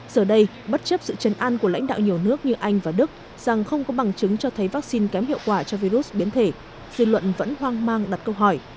giờ đây bất chấp sự chân an của lãnh đạo nhiều nước như anh và đức rằng không có bằng chứng cho thấy vaccine kém hiệu quả cho virus biến thể dư luận vẫn hoang mang đặt câu hỏi